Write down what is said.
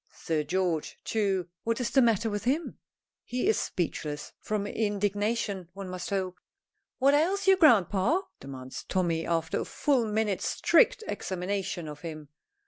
Sir George, too, what is the matter with him? He is speechless from indignation one must hope. "What ails you, grandpa?" demands Tommy, after a full minute's strict examination of him.